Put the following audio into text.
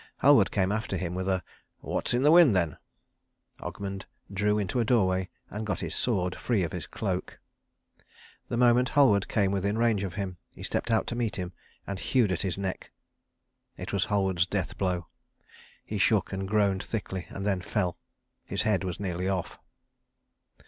Halward came after him with a "What's in the wind then?" Ogmund drew into a doorway, and got his sword free of his cloak. The moment Halward came within range of him he stepped out to meet him and hewed at his neck. It was Halward's death blow. He shook and groaned thickly, and then fell. His head was nearly off.